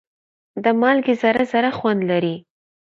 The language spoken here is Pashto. د مالګې ذره ذره خوند لري.